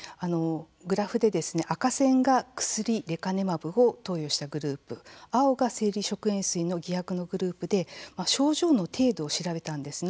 グラフで赤線が薬レカネマブを投与したグループ青が生理食塩水の偽薬のグループで症状の程度を調べたんですね。